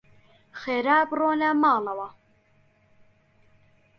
خێرا بڕۆنە ماڵەوە.